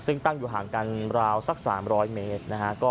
ซึ่งตั้งอยู่ห่างกันราวสัก๓๐๐เมตรนะฮะ